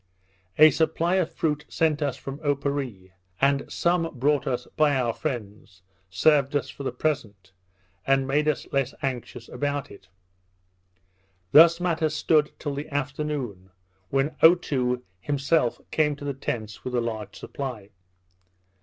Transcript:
A supply of fruit sent us from Oparree, and some brought us by our friends, served us for the present, and made us less anxious about it. Thus matters stood till the afternoon, when Otoo himself came to the tents with a large supply.